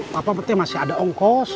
papa berarti masih ada ongkos